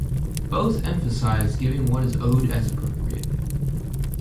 Both emphasize giving what is owed as appropriate.